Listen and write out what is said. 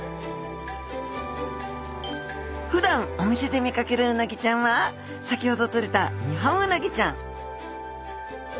ふだんお店で見かけるうなぎちゃんは先ほどとれたニホンウナギちゃん